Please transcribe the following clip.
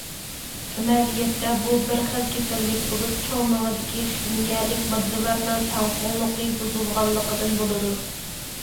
ئەمەلىيەتتە بۇ بىر خىل كېسەللىك بولۇپ، چوڭ مېڭىدىكى خىمىيەلىك ماددىلارنىڭ تەڭپۇڭلۇقى بۇزۇلغانلىقىدىن بولىدۇ.